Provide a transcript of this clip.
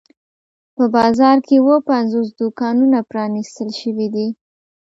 په بازار کې اووه پنځوس دوکانونه پرانیستل شوي دي.